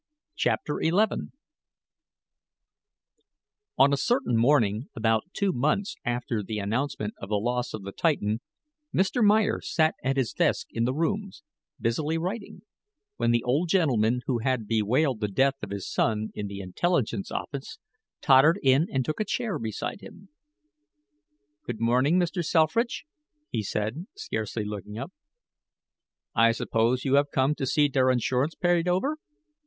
CHAPTER XI On a certain morning, about two months after the announcement of the loss of the Titan, Mr. Meyer sat at his desk in the Rooms, busily writing, when the old gentleman who had bewailed the death of his son in the Intelligence office tottered in and took a chair beside him. "Good morning, Mr. Selfridge," he said, scarcely looking up; "I suppose you have come to see der insurance paid over.